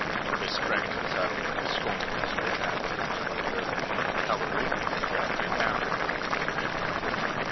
They sprang into the saddle, and scorning possible attack or capture by roving Union cavalry, galloped to the town.